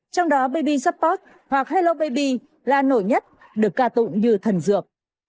trong đó baby support hoặc hello baby là nổi nhất được ca tụng như thần dược